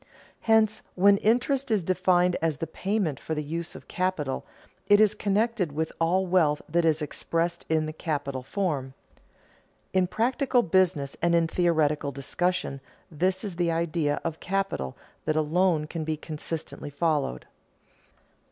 Hence, when interest is defined as the payment for the use of capital, it is connected with all wealth that is expressed in the capital form. In practical business and in theoretical discussion this is the idea of capital that alone can be consistently followed.